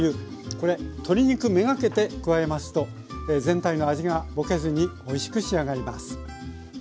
これ鶏肉目がけて加えますと全体の味がぼけずにおいしく仕上がります。